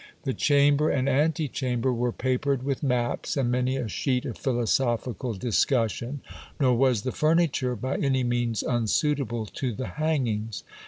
The chamber and antechamber were papered with maps, and many a sheet of philosophical discussion ; nor was the furniture by any means unsuitable to the hangings.